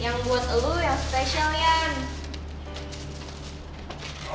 yang buat lo yang spesial ya